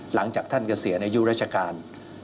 หลังจากท่านเกษียณอายุราชการ